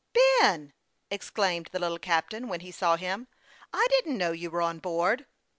" Ben !" exclaimed the little captain, when he saw him. " I didn't know you were on board."